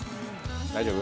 大丈夫？